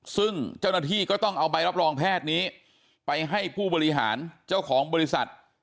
ซึ่งเจ้าหน้าที่ก็ต้องเอาใบรับรองแพทย์นี้ไปให้ผู้บริหารเจ้าของบริษัท